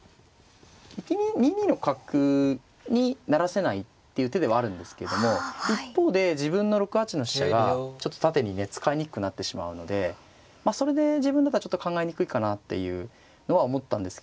２二の角に成らせないっていう手ではあるんですけども一方で自分の６八の飛車がちょっと縦にね使いにくくなってしまうのでそれで自分だったらちょっと考えにくいかなっていうのは思ったんですけれども。